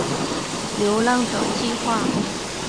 流浪者计画